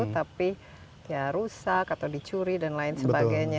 tapi ya rusak atau dicuri dan lain sebagainya